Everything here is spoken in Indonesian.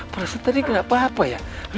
perasaan tadi gak apa apa ya